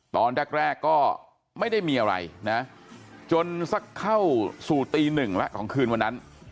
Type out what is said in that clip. ตอนแรกก็ไม่ได้มีอะไรนะจนสักเข้าสู่ตีหนึ่งแล้วของคืนวันนั้น